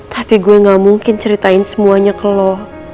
tapi gue gak mungkin ceritain semuanya ke lo